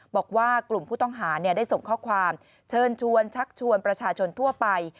บอกว่ากลุ่มผู้ต้องหาได้ส่งข้อความเชิญชวนชักชวนประชาชนทั่วไป